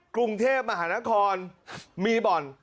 กรุงเทพมหานครมีบ่อน